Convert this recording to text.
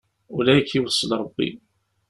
Ula i ak-d-iwṣel Ṛebbi!